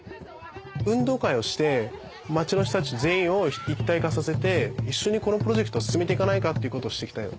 運動会をして町の人たち全員を一体化させて一緒にこのプロジェクトを進めていかないかっていうことをしていきたいの。